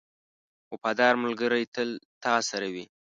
• وفادار ملګری تل تا سره وي.